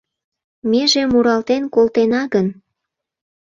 Меже муралтен колтена гын